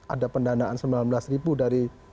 ada pendanaan sembilan belas ribu dari